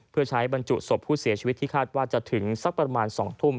เพื่อใช้บรรจุศพผู้เสียชีวิตที่คาดว่าจะถึงสักประมาณ๒ทุ่ม